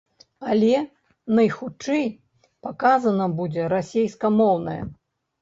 Але, найхутчэй, паказана будзе расейскамоўная.